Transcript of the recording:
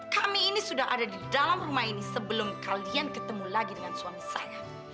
kami ini sudah ada di dalam rumah ini sebelum kalian ketemu lagi dengan suami saya